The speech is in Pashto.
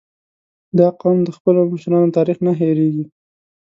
• دا قوم د خپلو مشرانو تاریخ نه هېرېږي.